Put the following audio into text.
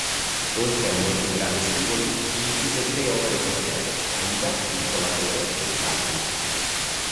Oltre a molti brani singoli, incise tre opere complete: "Aida", "Il Trovatore" e "Carmen".